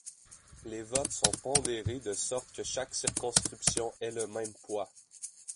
Les votes sont pondérés de sorte que chaque circonscription ait le même poids.